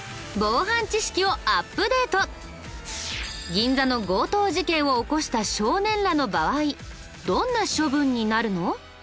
銀座の強盗事件を起こした少年らの場合どんな処分になるの？